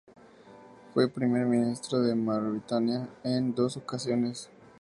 Fue Primer Ministro de Mauritania en dos ocasiones.